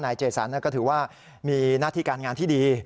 เจสันก็ถือว่ามีหน้าที่การงานที่ดี